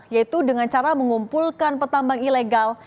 yaitu dengan cara mengumpulkan petambang ilegal